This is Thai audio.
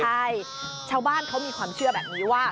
ใช่ชาวบ้านเขามีความเชื่อแบบนี้ว่า